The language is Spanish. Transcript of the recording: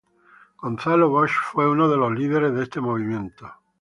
Gonzalo Bosch fue uno de los líderes de este movimiento.